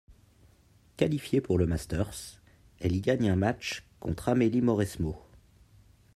Qualifiée pour le Masters, elle y gagne un match contre Amélie Mauresmo.